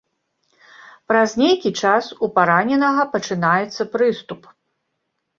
Праз нейкі час у параненага пачынаецца прыступ.